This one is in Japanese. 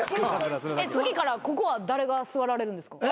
次からここは誰が座られるんですか？